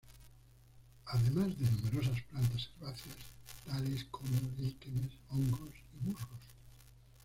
Además de numerosas plantas herbáceas tales como líquenes, hongos y musgos.